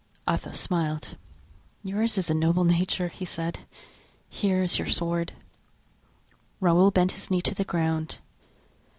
Athos smiled. "Yours is a noble nature." he said; "here is your sword." Raoul bent his knee to the ground.